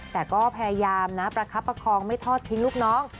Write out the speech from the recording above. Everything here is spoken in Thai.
แต่ก็พยายามนะประคับประคองไม่ทอดทิ้งลูกน้อง